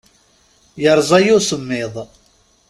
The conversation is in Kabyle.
Yerẓa-yi usemmiḍ.